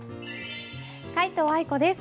皆藤愛子です。